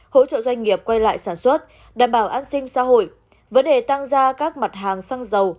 hỗ trợ doanh nghiệp quay lại sản xuất đảm bảo an sinh xã hội vấn đề tăng ra các mặt hàng xăng dầu